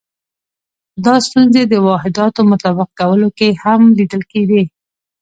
دا ستونزې د واحداتو مطابق کولو کې هم لیدل کېدې.